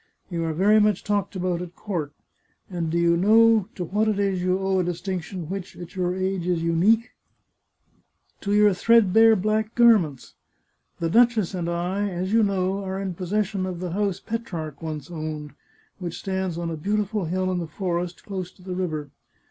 You are very much talked about at court, And do you know to what it is you owe a distinction which, at your age, is unique ? To your thread bare black garments. The duchess and I, as you know, are in possession of the house Petrarch once owned, which stands on a beautiful hill in the forest, close to the river.